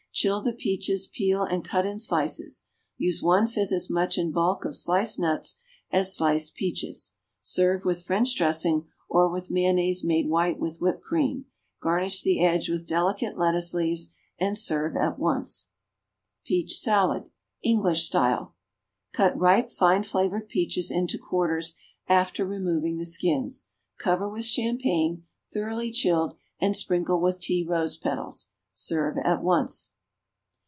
Chill the peaches, peel, and cut in slices; use one fifth as much in bulk of sliced nuts as sliced peaches. Serve with French dressing, or with mayonnaise made white with whipped cream. Garnish the edge with delicate lettuce leaves and serve at once. [Illustration: Fruit Salad. (See page 90)] [Illustration: Turquoise Salad, No. 2. (See page 94)] =Peach Salad.= (English style.) Cut ripe, fine flavored peaches into quarters, after removing the skins. Cover with champagne, thoroughly chilled, and sprinkle with tea rose petals. Serve at once.